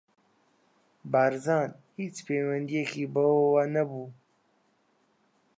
بارزان هیچ پەیوەندییەکی بەوەوە نەبوو.